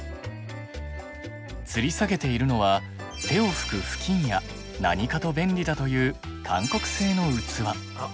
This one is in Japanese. つり下げているのは手を拭く布巾や何かと便利だというあっ